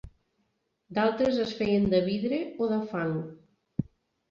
D'altres es feien de vidre o de fang.